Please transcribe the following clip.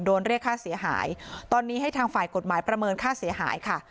เรียกค่าเสียหายตอนนี้ให้ทางฝ่ายกฎหมายประเมินค่าเสียหายค่ะ